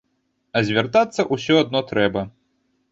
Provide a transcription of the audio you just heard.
А звяртацца ўсё адно трэба.